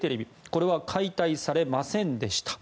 これは解体されませんでした。